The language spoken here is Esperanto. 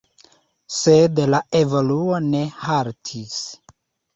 Sed la evoluo ne haltis.